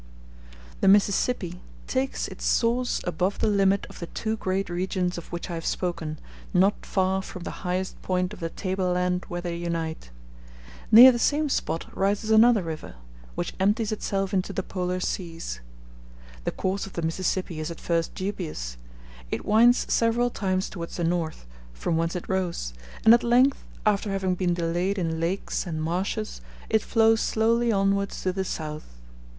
] The Mississippi takes its source above the limit of the two great regions of which I have spoken, not far from the highest point of the table land where they unite. Near the same spot rises another river, *b which empties itself into the Polar seas. The course of the Mississippi is at first dubious: it winds several times towards the north, from whence it rose; and at length, after having been delayed in lakes and marshes, it flows slowly onwards to the south.